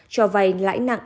cho vay lãi nặng